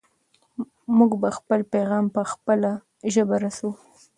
موږ به خپل پیغام په خپله ژبه رسوو.